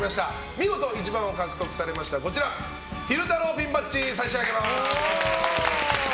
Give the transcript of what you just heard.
見事１番を獲得されましたら昼太郎ピンバッジを差し上げます。